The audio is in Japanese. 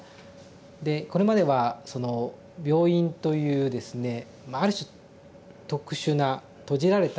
でこれまではその病院というですねある種特殊な閉じられた場所